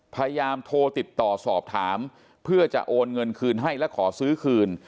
พยายามโทรติดต่อสอบถามเพื่อจะโอนเงินคืนให้และขอซื้อคืน